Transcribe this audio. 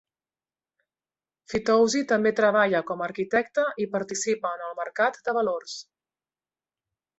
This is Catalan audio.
Fitoussi també treballa com a arquitecte i participa en el mercat de valors.